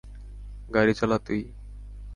গাড়ি চালা তুই!